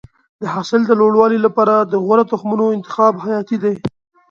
د حاصل د لوړوالي لپاره د غوره تخمونو انتخاب حیاتي دی.